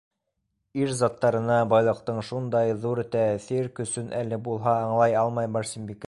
Ир заттарына байлыҡтың шундай ҙур тәьҫир көсөн әле булһа аңлай алмай Барсынбикә.